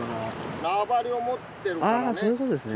縄張りを持ってるからね。